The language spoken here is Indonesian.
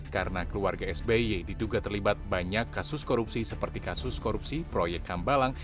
karena keluarga sby diduga terlibat banyak kasus korupsi seperti kasus korupsi proyek kambalang